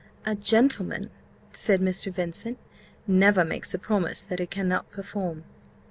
"A gentleman," said Mr. Vincent, "never makes a promise that he cannot perform."